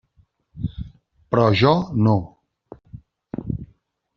Però jo no.